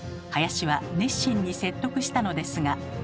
林は熱心に説得したのですが。